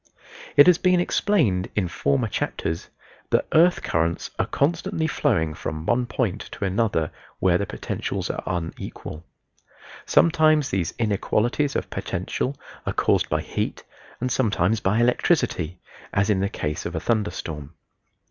It has been explained in former chapters that earth currents are constantly flowing from one point to another where the potentials are unequal. Sometimes these inequalities of potential are caused by heat and sometimes by electricity, as in the case of a thunder storm.